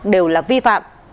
đều là vi phạm